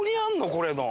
これの。